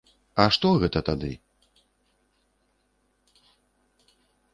А што гэта тады?